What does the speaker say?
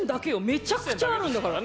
めちゃくちゃあるんだからね。